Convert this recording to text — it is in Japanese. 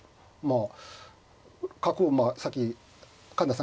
あ。